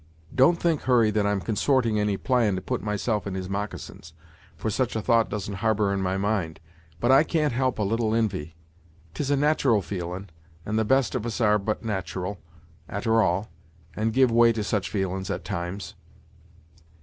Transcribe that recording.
Don't think, Hurry, that I'm consorting any plan to put myself in his moccasins, for such a thought doesn't harbor in my mind; but I can't help a little invy! 'Tis a nat'ral feelin', and the best of us are but nat'ral, a'ter all, and give way to such feelin's at times."